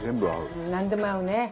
なんでも合うね。